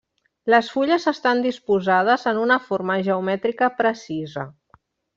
Les fulles estan disposades en una forma geomètrica precisa.